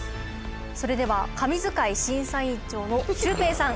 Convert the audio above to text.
それでは神図解審査委員長のシュウペイさん。